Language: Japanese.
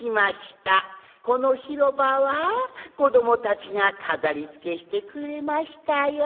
このひろばはこどもたちがかざりつけしてくれましたよ。